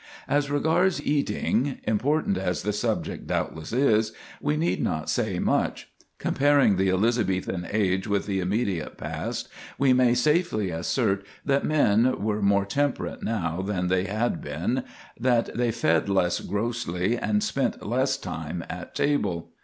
As regards eating, important as the subject doubtless is, we need not say much. Comparing the Elizabethan age with the immediate past, we may safely assert that men were more temperate now than they had been—that they fed less grossly, and spent less time at table.